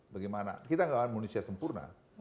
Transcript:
bagaimana kita tidak akan indonesia sempurna